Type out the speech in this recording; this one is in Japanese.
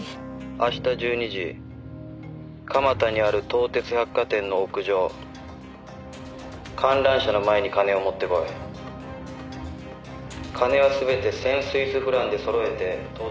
「明日１２時蒲田にある東鉄百貨店の屋上観覧車の前に金を持ってこい」「金は全て１０００スイスフランでそろえて」